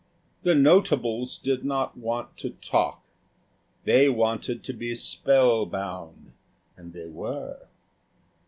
The notables did not want to talk. They wanted to be spell bound and they were.